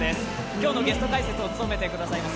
今日のゲスト解説を務めてくださいます